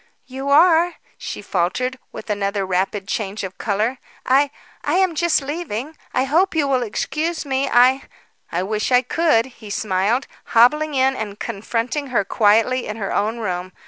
"You are," she faltered, with another rapid change of colour. "I I am just leaving. I hope you will excuse me. I " "I wish I could," he smiled, hobbling in and confronting her quietly in her own room.